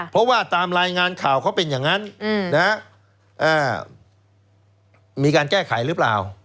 เพราะว่าตามรายงานข่าวเขาเป็นอย่างนั้นมีการแก้ไขหรือเปล่า